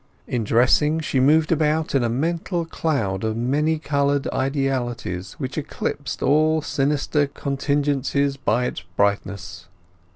In dressing, she moved about in a mental cloud of many coloured idealities, which eclipsed all sinister contingencies by its brightness.